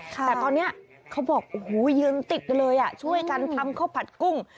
แต่ตอนนี้เขาบอกโอ้โหยืนติดกันเลยช่วยกันทำข้าวผัดกุ้ง